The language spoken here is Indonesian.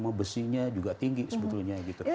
mau besinya juga tinggi sebetulnya gitu